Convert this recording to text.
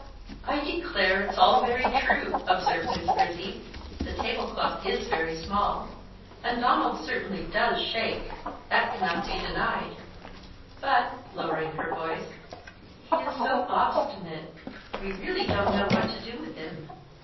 "I declare, it's all very true," observed Miss Grizzy; "the tablecloth is very small, and Donald certainly does shake, that cannot be denied;" but, lowering her voice, "he is so obstinate, we really don't know what to do with him.